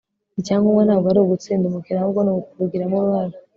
icyangombwa ntabwo ari ugutsinda umukino, ahubwo ni ukubigiramo uruhare